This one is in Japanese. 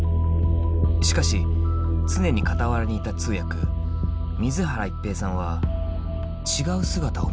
しかし常に傍らにいた通訳水原一平さんは違う姿を見ていた。